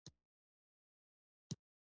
افغانستان په نړۍ کې د خپلو ژبو له امله شهرت لري.